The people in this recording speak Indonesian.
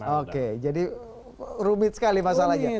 oke jadi rumit sekali masalahnya